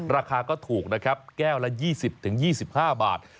ราคาก็ถูกนะครับแก้วละ๒๐๒๕บาท